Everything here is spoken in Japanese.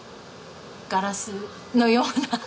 ガラスのようなハハッ。